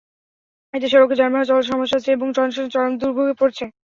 এতে সড়কে যানবাহন চলাচলে সমস্যা হচ্ছে এবং জনসাধারণ চরম দুর্ভোগে পড়েছে।